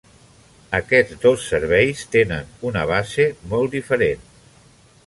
Aquests dos serveis tenen una base molt diferent.